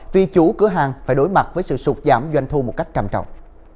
vì chủ cửa hàng phải đối mặt với sự sụt giảm doanh thu một cách trầm trọng